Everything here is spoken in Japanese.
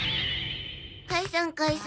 解散解散。